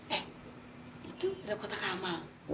eh itu udah kotak amal